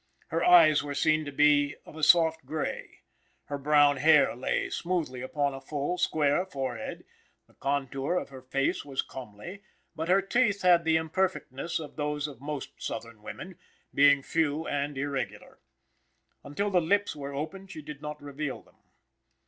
Her eyes were seen to be of a soft gray; her brown hair lay smoothly upon a full, square forehead; the contour of her face was comely, but her teeth had the imperfectness of those of most southern women, being few and irregular. Until the lips were opened she did not reveal them.